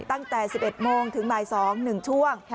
ตั้งแต่๑๑โมงถึงบ่าย๒๑ช่วง